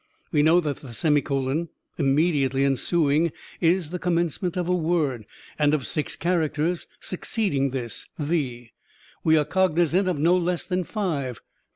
We know that the ; immediately ensuing is the commencement of a word, and, of six characters succeeding this 'the,' we are cognizant of no less than five.